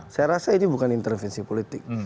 saya rasa ini bukan intervensi politik